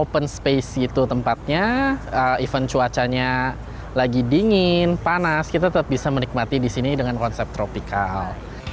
open space gitu tempatnya event cuacanya lagi dingin panas kita tetap bisa menikmati di sini dengan konsep tropical